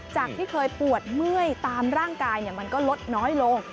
จากที่เคยปวดเมื่อยตามร่างกายมันก็ลดน้อยลง